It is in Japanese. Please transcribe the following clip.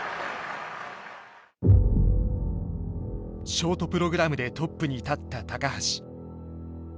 ショートプログラムでトップに立った橋。